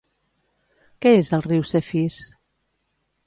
Què és el riu Cefís?